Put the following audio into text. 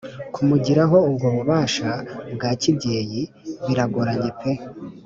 kumugiraho ubwo bubasha bwa kibyeyi biragoranye pe